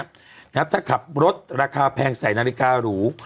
ถ้าขับรถราคาแพงใส่นาฬิการู